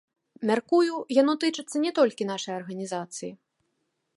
Мяркую, яно тычыцца не толькі нашай арганізацыі.